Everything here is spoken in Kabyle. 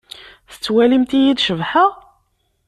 Tettwalimt-iyi-d cebḥeɣ?